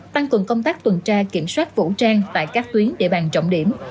tăng cường công tác tuần tra kiểm soát vũ trang tại các tuyến địa bàn trọng điểm